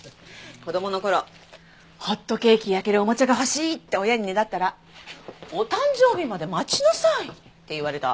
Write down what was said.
子供の頃ホットケーキ焼けるおもちゃが欲しいって親にねだったらお誕生日まで待ちなさい！って言われた。